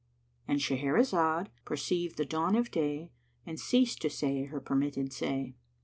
"—And Shahrazad perceived the dawn of day and ceased to say her permitted say.